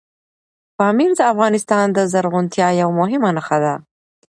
پامیر د افغانستان د زرغونتیا یوه مهمه نښه ده.